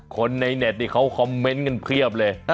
คนในเน็ตนี่เขาคอมเมนต์กันเพียบเลย